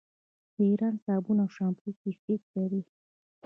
د ایران صابون او شامپو کیفیت لري.